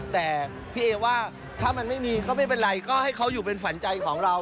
แต่พี่เอว่าถ้ามันไม่มีก็ไม่เป็นไรก็ให้เขาอยู่เป็นฝันใจของเรา